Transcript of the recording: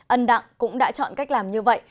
ấn đặng cũng đã chọn cách làm như vậy